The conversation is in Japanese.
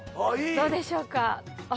どうでしょうかああ